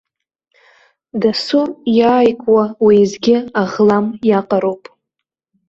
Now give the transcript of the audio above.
Дасу иааикуа, уеизгьы, аӷлам иаҟароуп.